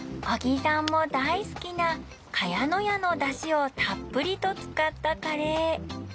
小木さんも大好きな「茅乃舎」のだしをっぷりと使ったカレー。